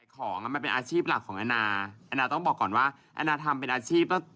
ของมันเป็นอาชีพหลักของแอนนาแอนนาต้องบอกก่อนว่าแอนนาทำเป็นอาชีพก็